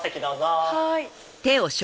はい。